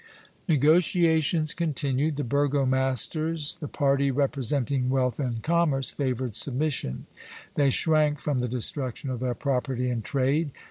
Negotiations continued. The burgomasters the party representing wealth and commerce favored submission; they shrank from the destruction of their property and trade.